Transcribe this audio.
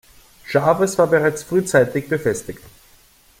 Chaves war bereits frühzeitig befestigt.